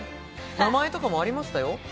名前とかもありましたよ。